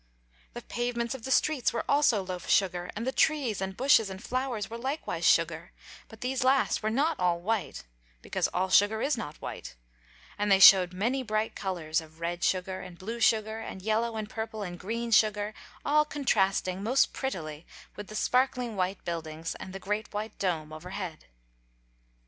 The pavements of the streets were also loaf sugar, and the trees and bushes and flowers were likewise sugar; but these last were not all white, because all sugar is not white, and they showed many bright colors of red sugar and blue sugar and yellow, purple and green sugar, all contrasting most prettily with the sparkling white buildings and the great white dome overhead.